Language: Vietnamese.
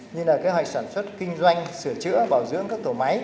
như là kế hoạch sản xuất kinh doanh sửa chữa bảo dưỡng các tổ máy